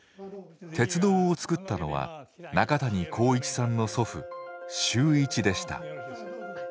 鉄道をつくったのは中谷耕一さんの祖父秀一でした。